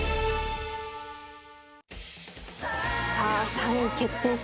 ３位決定戦